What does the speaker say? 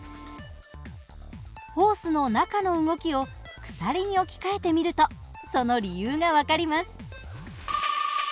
ホースの中の動きを鎖に置き換えてみるとその理由が分かります。